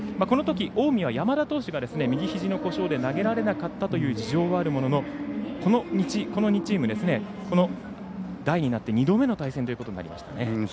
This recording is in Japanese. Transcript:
このとき、近江は山田投手が右ひじの故障で投げられなかったという事情はあるもののこの２チーム、この代になって２度目の大戦となりました。